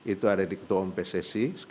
itu ada di ketua umpssc